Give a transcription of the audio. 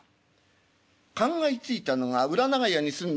考えついたのが裏長屋に住んでおります浪人。